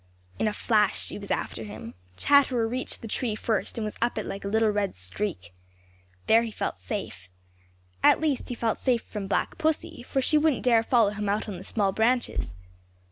In a flash she was after him. Chatterer reached the tree first and was up it like a little red streak. There he felt safe. At least, he felt safe from Black Pussy, for she wouldn't dare follow him out on the small branches.